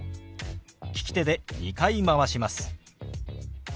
利き手で２回回します。